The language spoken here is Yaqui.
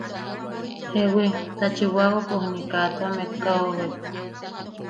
–Jeewi, ta Chiwawapo juni kaa tua mekka oʼobek.